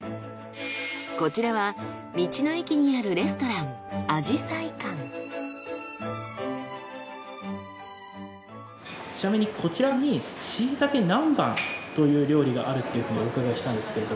こちらは道の駅にあるちなみにこちらにしいたけ南蛮という料理があるっていうことお伺いしたんですけれど。